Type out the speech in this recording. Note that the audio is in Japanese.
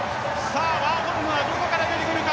ワーホルムはどこから出てくるか。